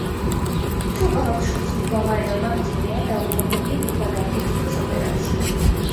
თუ ბავშვის მდგომარეობა მძიმეა, დაუყოვნებლივ უნდა გაკეთდეს ოპერაცია.